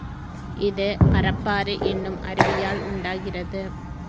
இது பரப்பாறு என்னும் அருவியால் உண்டாகிறது.